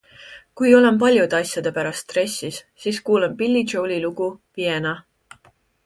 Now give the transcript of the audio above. Kui olen paljude asjade pärast stressis, siis kuulan Billy Joeli lugu "Vienna".